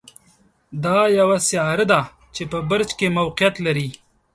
دا یوه سیاره ده چې په برج کې موقعیت لري.